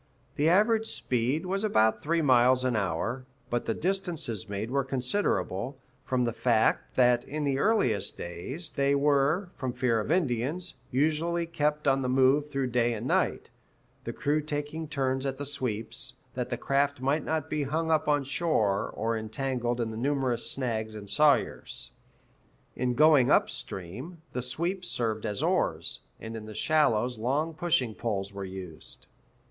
The average speed was about three miles an hour, but the distances made were considerable, from the fact that in the earliest days they were, from fear of Indians, usually kept on the move through day and night, the crew taking turns at the sweeps, that the craft might not be hung up on shore or entangled in the numerous snags and sawyers. In going up stream, the sweeps served as oars, and in the shallows long pushing poles were used.